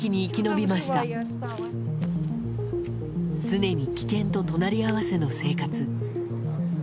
常に危険と隣り合わせの生活。